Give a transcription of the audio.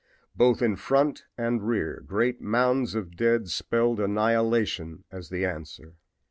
Both in front and rear great mounds of dead spelled annihilation as the answer.